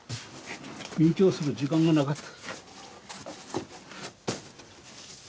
勉強する時間がなかった。